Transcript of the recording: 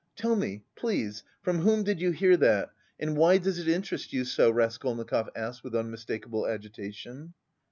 "Tell me, please, from whom did you hear that, and why does it interest you so?" Raskolnikov asked with unmistakable agitation.